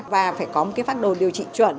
và phải có một phát đồ điều trị chuẩn